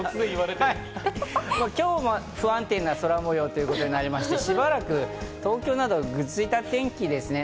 今日も不安定な空模様ということになりまして、しばらく東京など、ぐずついた天気ですね。